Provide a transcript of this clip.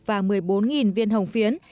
và một mươi bốn viên hồng phiến